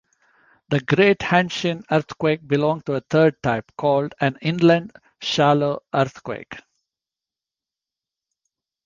The Great Hanshin earthquake belonged to a third type, called an "inland shallow earthquake".